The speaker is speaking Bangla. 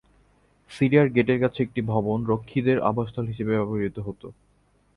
সিরিয়ার গেটের কাছে একটি ভবন রক্ষীদের আবাসস্থল হিসাবে ব্যবহৃত হতো।